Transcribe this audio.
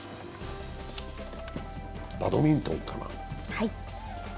バドミントンかな。